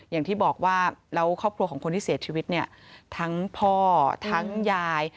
อย่างที่บอกว่าแล้วครอบครัวของคนที่เสียชีวิตเนี่ยทั้งพ่อทั้งยาย